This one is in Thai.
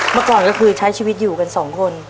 เมื่อก่อนก็คือใช้ชีวิตอยู่กันสองคน